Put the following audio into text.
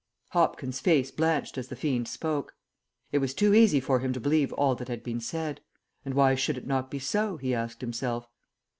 Hopkins' face blanched as the fiend spoke. It was too easy for him to believe all that had been said; and why should it not be so, he asked himself.